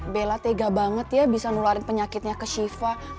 bella tega banget ya bisa nularin penyakitnya ke shiva